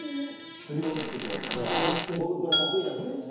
僕これ得意なんですよ。